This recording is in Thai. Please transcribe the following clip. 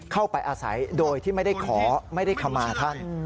เข้าไปอาศัยโดยที่ไม่ได้ขอไม่ได้ขมาท่าน